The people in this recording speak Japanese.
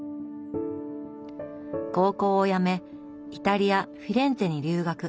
高校をやめイタリアフィレンツェに留学。